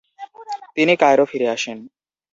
তিনি কায়রো ফিরে আসেন।